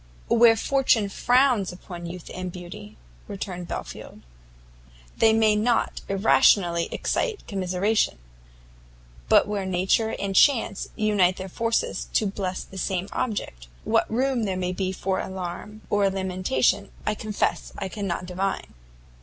"Where fortune frowns upon youth and beauty," returned Belfield, "they may not irrationally excite commiseration; but where nature and chance unite their forces to bless the same object, what room there may be for alarm or lamentation I confess I cannot divine."